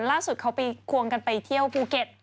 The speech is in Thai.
ล่าสุดเขาไปควงกันไปเที่ยวภูเก็ต